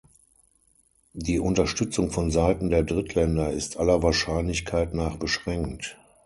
Die Unterstützung vonseiten der Drittländer ist aller Wahrscheinlichkeit nach beschränkt.